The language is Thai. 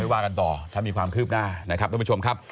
ว่ากันต่อถ้ามีความคืบหน้านะครับท่านผู้ชมครับ